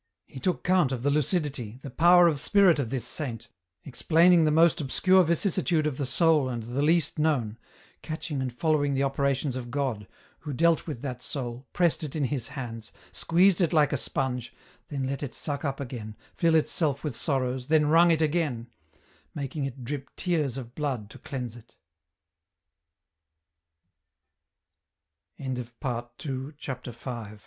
He took count of the lucidity, the power of spirit of this saint, explaining the most obscure vicissitude of the soul and the least known, catching and following the operations of God, who dealt with that soul, pressed it in His hands, squeezed it Uke a sponge, then let it suck up again, fill itself with sorrows, then wrung it again ; maki